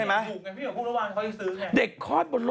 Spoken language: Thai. โอ้โหโอ้โหโอ้โหโอ้โห